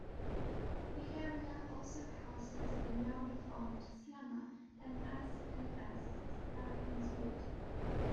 The area also houses the now defunct "Slammer", an S and S Sky Swat.